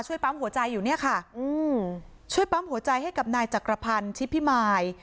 ปั๊มหัวใจอยู่เนี่ยค่ะอืมช่วยปั๊มหัวใจให้กับนายจักรพันธ์ชิพิมาย